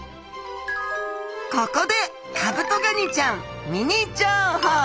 ここでカブトガニちゃんミニ情報！